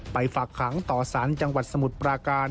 ฝากขังต่อสารจังหวัดสมุทรปราการ